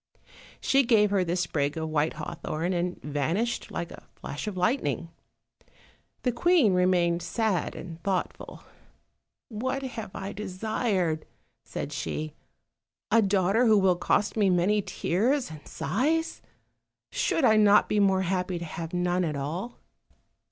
She gave her the sprig of white hawthorn, and vanished like a flash of lightning. The queen remained sad and thoughtful. "What have I desired," said she "a daughter who will cost me many tears and sighs? should I not be more happy to have none at all?"